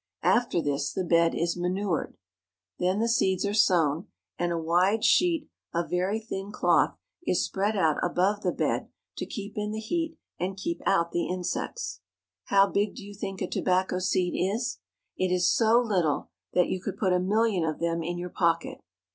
After this the bed is manured. Then the seeds are sown, and a Tobacco Auction. wide sheet of very thin cloth is spread out above the bed to keep in the heat and keep out the insects. How big do you think a tobacco seed is? It is so Httle that you could put a mJUion of them in your pocket.